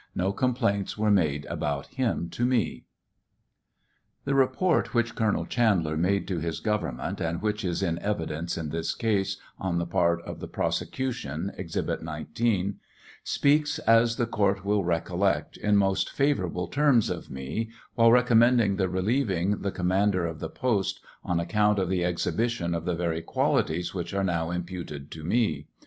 No com plaints were made about him to me. The report which Colonel Chandler made to his government, and which is in evidence in this case on the part of the prosecution (Exhibit 19) speaks, as the court will recollect, in most favorable terms of me, wliile recommending the relieving the commander of the post on account of the exhibition of the very c[naUties which are now imputed to me.